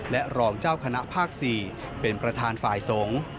และรองเจ้าคณะภาค๔เป็นประธานฝ่ายสงฆ์